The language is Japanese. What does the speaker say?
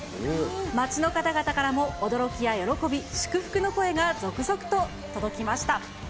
街の方々からも驚きや喜び、祝福の声が続々と届きました。